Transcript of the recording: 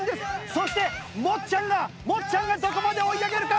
そしてもっちゃんがもっちゃんがどこまで追い上げるか？